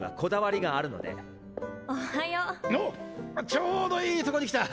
ちょうどいいとこに来た！